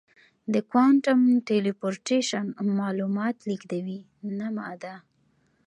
د کوانټم ټیلیپورټیشن معلومات لېږدوي نه ماده.